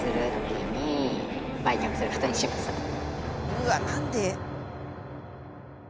うわっ何で？